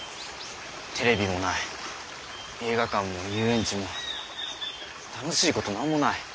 テレビもない映画館も遊園地も楽しいこと何もない。